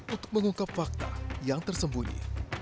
untuk mengungkap fakta yang tersembunyi